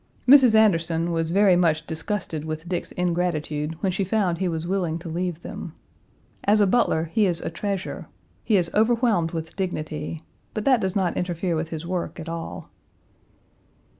Mrs. Anderson was very much disgusted with Dick's ingratitude when she found he was willing to leave them. As a butler he is a treasure; he is overwhelmed with dignity, but that does not interfere with his work at all.